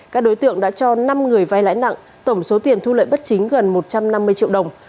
các đối tượng đã cho năm người vay lãi nặng tổng số tiền thu lợi bất chính gần một trăm năm mươi triệu đồng